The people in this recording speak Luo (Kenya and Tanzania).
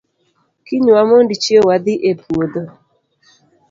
Kiny wamond chieo wadhii e puondo